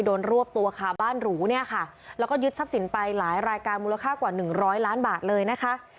รวบตัวคาบ้านหรูเนี่ยค่ะแล้วก็ยึดทรัพย์สินไปหลายรายการมูลค่ากว่าหนึ่งร้อยล้านบาทเลยนะคะ